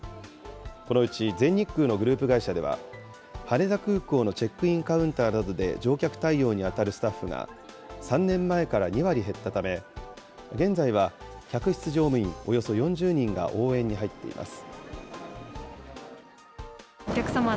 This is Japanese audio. このうち全日空のグループ会社では、羽田空港のチェックインカウンターなどで乗客対応に当たるスタッフが、３年前から２割減ったため、現在は客室乗務員およそ４０人が応援に入っています。